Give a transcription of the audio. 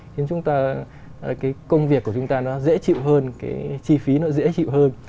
khiến công việc của chúng ta nó dễ chịu hơn cái chi phí nó dễ chịu hơn